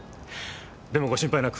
でもご心配なく。